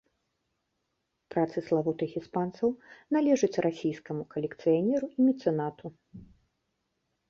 Працы славутых іспанцаў належаць расійскаму калекцыянеру і мецэнату.